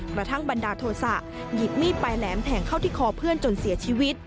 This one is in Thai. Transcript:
บรรดาโทษะหยิบมีดปลายแหลมแทงเข้าที่คอเพื่อนจนเสียชีวิต